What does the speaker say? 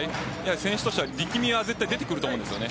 選手としては力みは絶対出てくると思います。